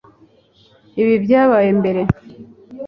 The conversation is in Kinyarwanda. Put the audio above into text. Ibi byabaye mbere